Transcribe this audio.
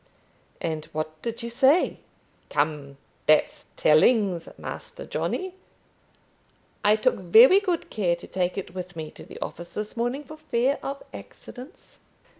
"And what did she say?" "Come; that's tellings, Master Johnny. I took very good care to take it with me to the office this morning, for fear of accidents."